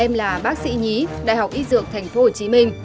em là bác sĩ nhí đại học y dược tp hcm